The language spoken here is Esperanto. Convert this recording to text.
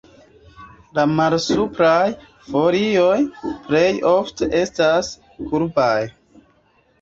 La malsupraj folioj plej ofte estas kurbaj.